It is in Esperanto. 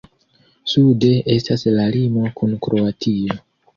Sude estas la limo kun Kroatio.